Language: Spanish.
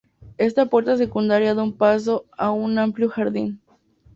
Esta puerta secundaria da paso a un amplio jardín.